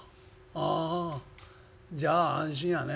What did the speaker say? あじゃあ安心やね。